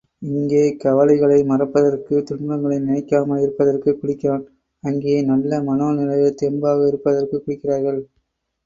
இங்கே கவலைகளை மறப்பதற்கு, துன்பங்களை நினைக்காமல் இருப்பதற்குக் குடிக்கிறான் அங்கே நல்ல மனோ நிலையில் தெம்பாக இருப்பதற்குக் குடிக்கிறார்கள்.